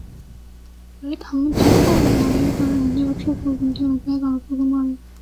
而糖及后来的染料出口稳定了该岛的出口贸易。